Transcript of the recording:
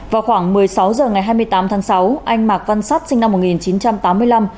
vào khoảng một mươi sáu h ngày hai mươi tám tháng sáu anh mạc văn sắt sinh năm một nghìn chín trăm tám mươi năm